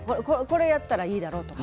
これをやったらいいだろうと。